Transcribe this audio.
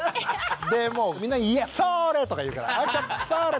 でもうみんな「いやそれ！」とか言うから「それ！」